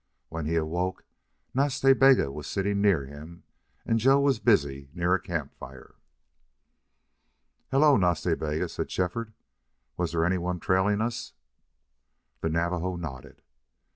When he awoke Nas Ta Bega was sitting near him and Joe was busy near a camp fire. "Hello, Nas Ta Bega!" said Shefford. "Was there any one trailing us?" The Navajo nodded.